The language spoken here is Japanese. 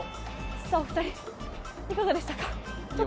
お二人、いかがでしたか？